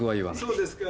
そうですか。